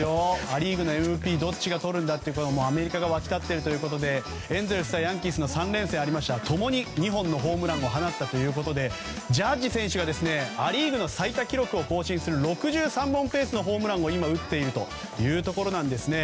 ア・リーグのＭＶＰどっちがとるのかとアメリカが沸き立っているということでエンゼルス対ヤンキースの３連戦共に２本のホームランを放ったということでジャッジ選手はア・リーグの最多記録を更新する６３本ペースのホームランを今打っているところなんです。